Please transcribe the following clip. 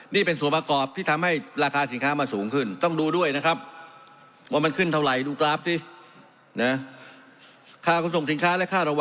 นี่เป็นส่วนประกอบที่ทำให้ราคาสินค้ามาสูงขึ้นต้องดูด้วยนะครับ